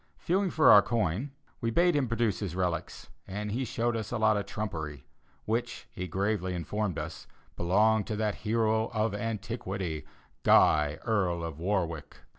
Feeling for our coin, we bade him produce his relics, and he showed us a lot of trumpery, which, he gravely informed us, belonged to that hero of antiquity, Guy, Earl of Warwick.